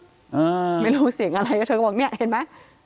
ไม่รู้เสียงอะไรก็เธอก็บอกเนี่ยเห็นไหม